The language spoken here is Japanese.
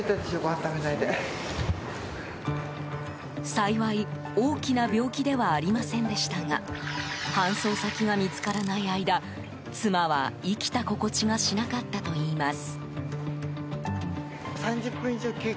幸い、大きな病気ではありませんでしたが搬送先が見つからない間妻は生きた心地がしなかったといいます。